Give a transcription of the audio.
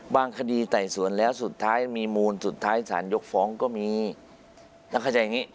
บ้างคดีไต่สวนแล้วสุดท้ายมีมูลสุดท้ายศาลยกฟ้องก็มีแล้วเขาจะอย่างงี้